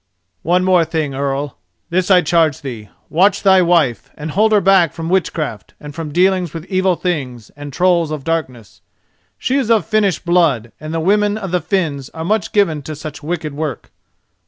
"One more thing, Earl. This I charge thee: watch thy wife, and hold her back from witchcraft and from dealings with evil things and trolls of darkness. She is of Finnish blood and the women of the Finns are much given to such wicked work."